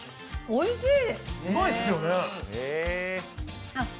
おいしい。